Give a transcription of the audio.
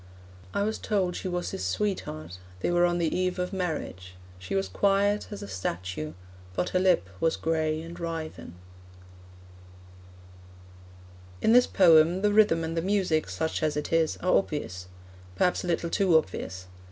I was told she was his sweetheart. They were on the eve of marriage. She was quiet as a statue, But her lip was gray and writhen. In this poem, the rhythm and the music, such as it is, are obvious perhaps a little too obvious.